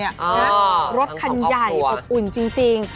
อ๋อทั้งของครอบครัวรถคันใหญ่อบอุ่นจริง